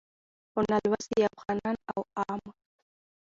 خو نالوستي افغانان او عوام